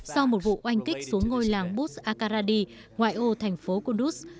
sau một vụ oanh kích xuống ngôi làng bus akaradi ngoại ô thành phố kunduz